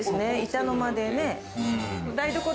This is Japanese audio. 板の間でね。